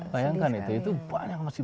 bayangkan itu itu banyak masih